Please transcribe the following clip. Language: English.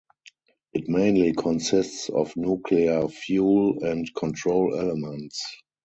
It mainly consists of nuclear fuel and control elements.